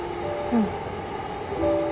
うん。